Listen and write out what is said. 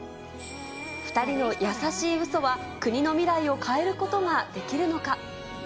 ２人の優しいうそは、国の未来を変えることができるのか。